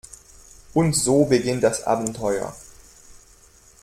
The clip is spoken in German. Und so beginnt das Abenteuer.